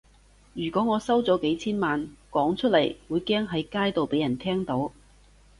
如果我收咗幾千萬，講出嚟會驚喺街度畀人聽到